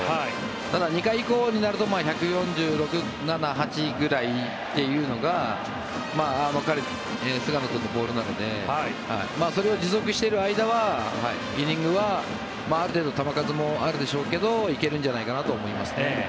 ただ、２回以降になると１４６ｋｍ、１４７ｋｍ１４８ｋｍくらいが彼、菅野君のボールなのでそれを持続している間はイニングはある程度球数もあるでしょうけどいけるんじゃないかと思います。